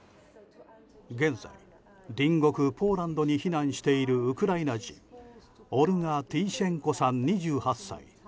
現在、隣国ポーランドに避難しているウクライナ人オルガ・ティーシェンコさん２８歳。